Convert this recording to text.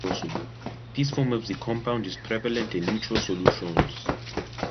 This form of the compound is prevalent in neutral solutions.